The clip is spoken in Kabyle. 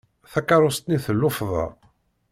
Takerrust-nni tellufḍa.